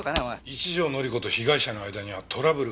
一条典子と被害者の間にはトラブルがありました。